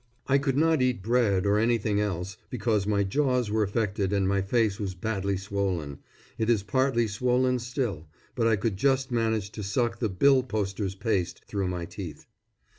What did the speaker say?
I could not eat bread or anything else, because my jaws were affected and my face was badly swollen it is partly swollen still, but I could just manage to suck the "bill posters' paste" through my teeth.